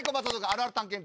あるある探検隊。